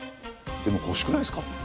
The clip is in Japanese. でもほしくないすか。